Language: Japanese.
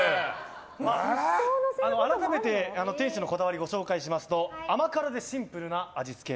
改めて店主のこだわりをご紹介しますと甘辛でシンプルな味付け。